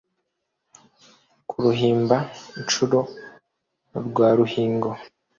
Ku Ruhimba-nshuro rwa Ruhingo